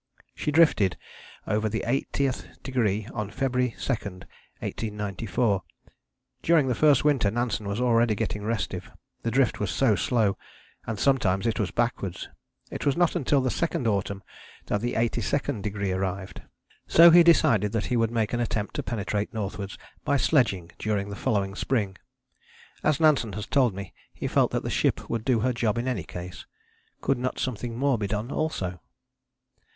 She drifted over the eightieth degree on February 2, 1894. During the first winter Nansen was already getting restive: the drift was so slow, and sometimes it was backwards: it was not until the second autumn that the eighty second degree arrived. So he decided that he would make an attempt to penetrate northwards by sledging during the following spring. As Nansen has told me, he felt that the ship would do her job in any case. Could not something more be done also?